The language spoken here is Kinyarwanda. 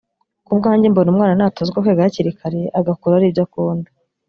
ku bwanjye mbona umwana natozwa kwiga hakiri kare agakura aribyo akunda